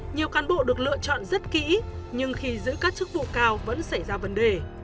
nhiều cán bộ được lựa chọn rất kỹ nhưng khi giữ các chức vụ cao vẫn xảy ra vấn đề